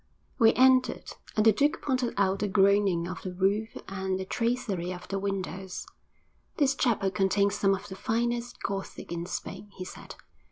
We entered, and the duke pointed out the groining of the roof and the tracery of the windows. 'This chapel contains some of the finest Gothic in Spain,' he said.